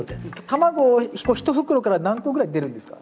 卵一袋から何個ぐらい出るんですか？